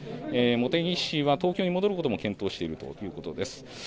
茂木氏は東京に戻ることも検討しているということです。